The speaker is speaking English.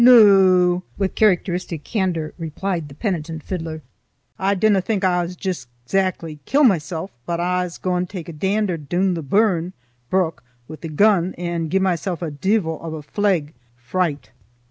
"No o," with characteristic candor replied the penitent fiddler, "I dinna think that I'll juist exactly kill mysel, but I'm gaun to tak a dander doon the burn (brook) wi' the gun and gie mysel a deevil o' a fleg (fright)."